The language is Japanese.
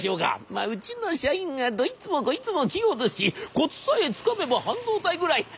まあうちの社員がどいつもこいつも器用ですしコツさえつかめば半導体ぐらいなんとかなるでしょう」。